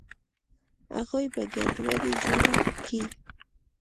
اغوئ به ګډوډي جوړه کي.